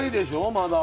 まだ。